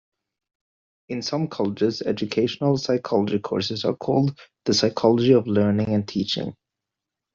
In some colleges, educational psychology courses are called "the psychology of learning and teaching".